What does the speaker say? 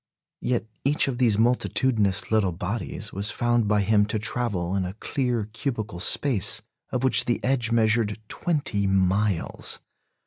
Yet each of these multitudinous little bodies was found by him to travel in a clear cubical space of which the edge measured twenty miles!